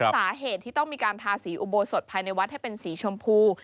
สาเหตุที่ต้องมีการทาสีอุโบสถภายในวัดให้เป็นสีชมพู